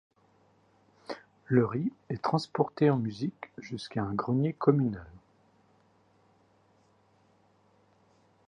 Le riz est transporté en musique jusqu'à un grenier communal.